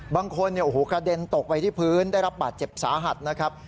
บางคนกระเด็นตกไปที่พื้นได้รับบาดเจ็บสาหัสนะครับ